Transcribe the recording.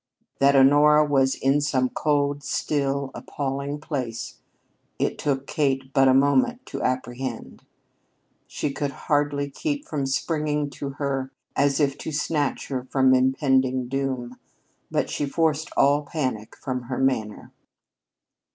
That Honora was in some cold, still, and appalling place it took Kate but a moment to apprehend. She could hardly keep from springing to her as if to snatch her from impending doom, but she forced all panic from her manner.